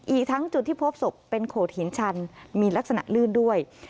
อีกทั้งจุดที่พบศพเป็นโขดหินชันมีลักษณะลื่นด้วย